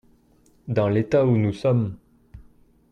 Dans l'état où nous sommes.